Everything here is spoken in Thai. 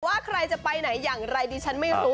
ใครจะไปไหนอย่างไรดิฉันไม่รู้